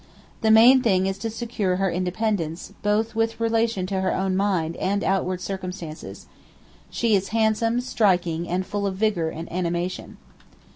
The main thing is to secure her independence, both with relation to her own mind and outward circumstances. She is handsome, striking, and full of vigour and animation.